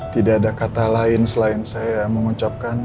tidak ada kata lain selain saya mengucapkan